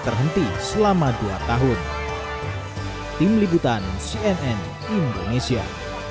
berhenti selama dua tahun tim libutan cnn indonesia